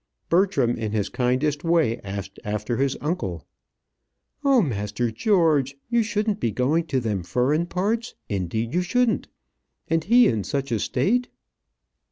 Bertram in his kindest way asked after his uncle. "Oh, master George! you shouldn't be going to them furren parts indeed you shouldn't; and he in such a state."